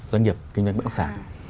doanh nghiệp kinh doanh bất động sản